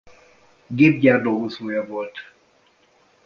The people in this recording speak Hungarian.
Gépgyár dolgozója volt.